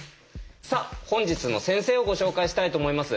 さあ本日の先生をご紹介したいと思います。